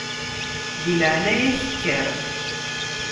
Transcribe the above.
Di leɛnaya-k kker.